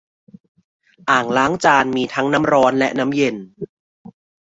อ่างล้างจานมีทั้งน้ำร้อนและน้ำเย็น